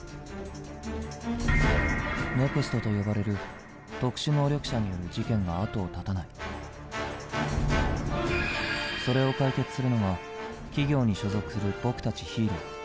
「ＮＥＸＴ」と呼ばれる特殊能力者による事件が後を絶たないそれを解決するのが企業に所属する僕たち「ヒーロー」。